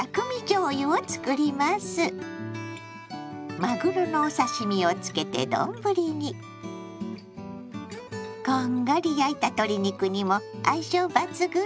まぐろのお刺身をつけて丼にこんがり焼いた鶏肉にも相性抜群よ。